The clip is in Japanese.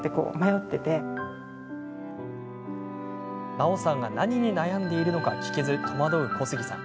菜緒さんが何に悩んでいるのか聞けず、戸惑う小杉さん。